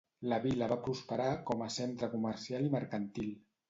La vila va prosperar com a centre comercial i mercantil.